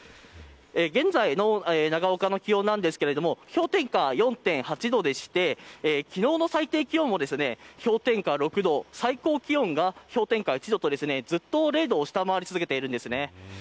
現在の長岡の気温なんですが氷点下４．８度でして昨日の最低気温も氷点下６度最高気温が氷点下１度とずっと０度を下回り続けています。